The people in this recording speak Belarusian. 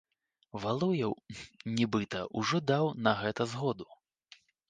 Валуеў, нібыта, ужо даў на гэта згоду.